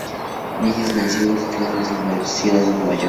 Denis nació y se crio en la Ciudad de Nueva York.